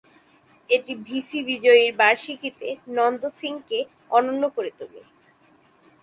এটি ভিসি বিজয়ীর বার্ষিকীতে নন্দ সিংকে অনন্য করে তোলে।